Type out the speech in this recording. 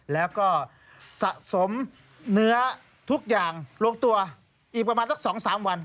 แล้วก็สะสมเนื้อทุกอย่างลงตัวอีกประมาณสัก๒๓วัน